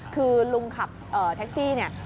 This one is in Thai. คือลุงขับแท็กซี่เนี่ย